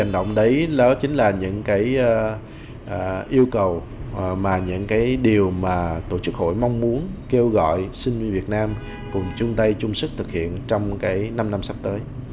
đấy đó chính là những yêu cầu và những điều mà tổ chức hội mong muốn kêu gọi sinh viên việt nam cùng chung tay chung sức thực hiện trong năm năm sắp tới